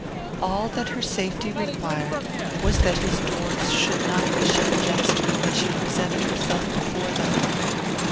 All that her safety required was that his doors should not be shut against her when she presented herself before them.